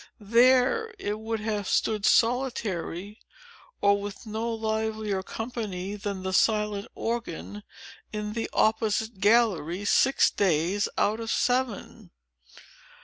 There it would have stood solitary, or with no livelier companion than the silent organ, in the opposite gallery, six days out of seven.